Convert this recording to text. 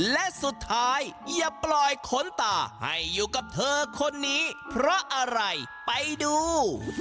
และสุดท้ายอย่าปล่อยขนตาให้อยู่กับเธอคนนี้เพราะอะไรไปดู